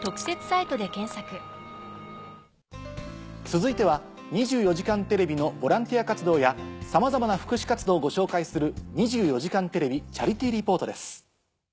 続いては『２４時間テレビ』のボランティア活動やさまざまな福祉活動をご紹介する。